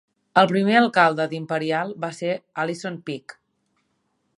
El primer alcalde d'Imperial va ser Allison Peck.